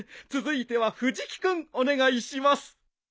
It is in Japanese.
続いては藤木君お願いします。